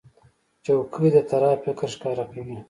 چوکۍ د طراح فکر ښکاره کوي.